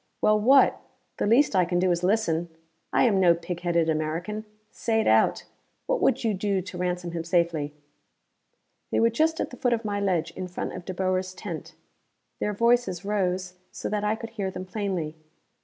Well what? The least I can do is listen; I am no pig headed American. Say it out. What would you do to ransom him safely?" They were just at the foot of my ledge, in front of De Boer's tent. Their voices rose so that I could hear them plainly.